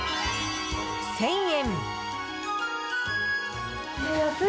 １０００円。